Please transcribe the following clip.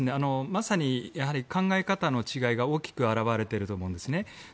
まさに考え方の違いが大きく表れていると思うんですね。